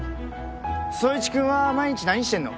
宗一君は毎日何してんの？